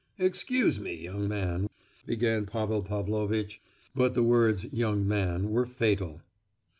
"Excuse me, young man," began Pavel Pavlovitch: but the words "young man" were fatal.